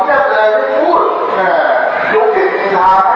เพราะว่ากลุกจาวา